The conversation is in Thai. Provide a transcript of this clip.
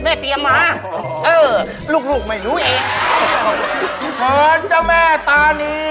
เด้อเกิดอะไรนะเกึ่นแม่ตานี